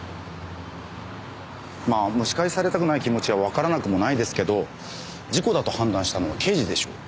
まあ蒸し返されたくない気持ちはわからなくもないですけど事故だと判断したのは刑事でしょう。